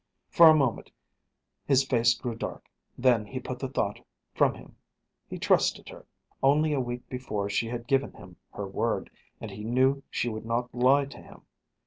For a moment his face grew dark, then he put the thought from him. He trusted her. Only a week before she had given him her word, and he knew she would not lie to him.